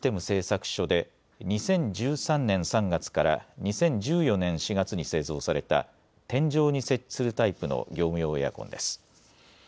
製作所で、２０１３年３月から２０１４年４月に製造された、天井に設置するタイプの業務用エアコンです。